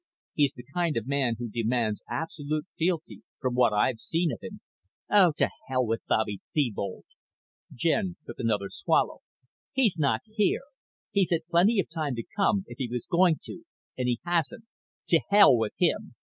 He's the kind of man who demands absolute fealty, from what I've seen of him." "Oh, to hell with Bobby Thebold." Jen took another swallow. "He's not here. He's had plenty of time to come, if he was going to, and he hasn't. To hell with him.